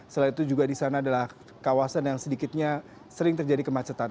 selain itu juga di sana adalah kawasan yang sedikitnya sering terjadi kemacetan